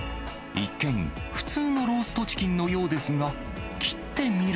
一見、普通のローストチキンのよ